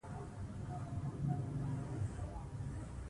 ښځه غلې ده